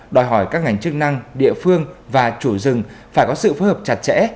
đòi hỏi các ngành chức năng địa phương và chủ rừng phải có sự phối hợp chặt chẽ